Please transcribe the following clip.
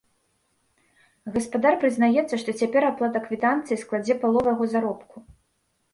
Гаспадар прызнаецца, што цяпер аплата квітанцыі складзе палову яго заробку.